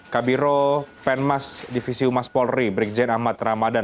kabiro penmas divisi umas polri brikjen ahmad ramadhan